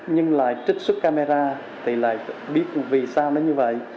nhưng lại trích xuất camera thì lại biết vì sao nó như vậy